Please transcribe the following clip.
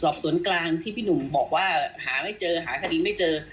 สอบสวนกลางที่พี่หนุ่มบอกว่าหาไม่เจอหาคดีไม่เจอ